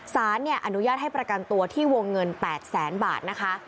สารอนุญาตให้ประกันตัวที่วงเงิน๘แสนบาทนะคะ